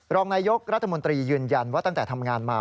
รองนายกรัฐมนตรียืนยันว่าตั้งแต่ทำงานมา